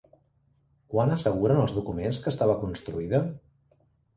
Quan asseguren els documents que estava construïda?